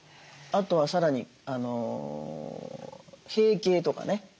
あとはさらに閉経とかね